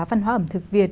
văn hóa ẩm thực việt